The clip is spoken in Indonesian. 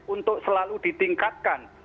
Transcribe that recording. untuk selalu ditingkatkan